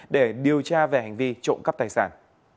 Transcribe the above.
để điều tra về hành vi trộm cắp tài sản